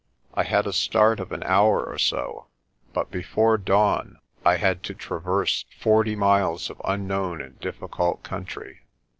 I had a start of an hour or so, but before dawn I had to traverse forty miles of unknown and difficult country.